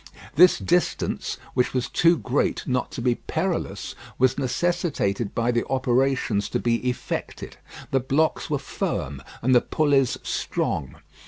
This distance, which was too great not to be perilous, was necessitated by the operations to be effected. The blocks were firm, and the pulleys strong.